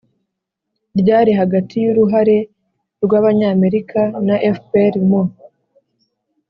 ryari hagati y'uruhare rw'abanyamerika na fpr mu